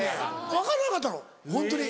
分からなかったのホントに。